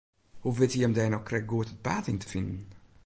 Hoe witte jim dêr no krekt goed it paad yn te finen?